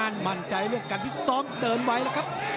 ต้องมั่นใจเรื่องการพี่ซ้อมเดินไว้นะครับ